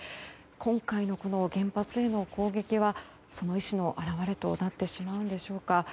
今回の原発への攻撃はその意思の表れとなってしまうのでしょうか。